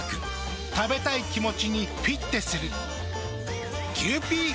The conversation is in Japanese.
食べたい気持ちにフィッテする。